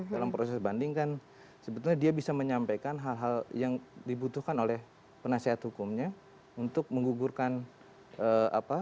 dalam proses banding kan sebetulnya dia bisa menyampaikan hal hal yang dibutuhkan oleh penasihat hukumnya untuk menggugurkan apa